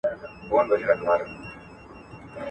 حقیقت تر تخیل روښانه دی.